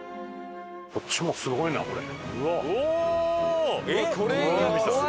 こっちもすごいなこれ。